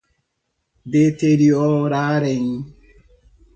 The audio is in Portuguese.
deteriorarem